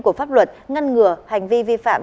của pháp luật ngăn ngừa hành vi vi phạm